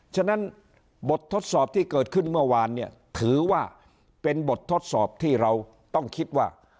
ฉะนั้นบททดสอบที่เกิดขึ้นเมื่อวานเนี่ยถือว่าเป็นบททดสอบที่เราต้องคิดว่า